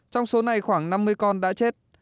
trong số này khoảng năm mươi con đã chết